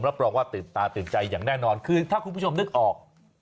รองว่าตื่นตาตื่นใจอย่างแน่นอนคือถ้าคุณผู้ชมนึกออก